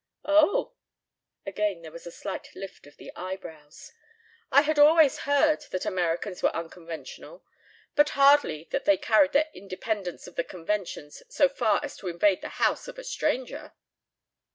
"Oh!" Again there was a slight lift of the eyebrows. "I had always heard that Americans were unconventional, but hardly that they carried their independence of the conventions so far as to invade the house of a stranger."